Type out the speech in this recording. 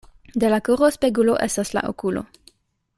De la koro spegulo estas la okulo.